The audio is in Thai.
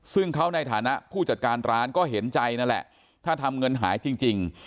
ซึ่งเขาในฐานะผู้จัดการร้านก็เห็นใจนั่นแหละถ้าทำเงินหายจริง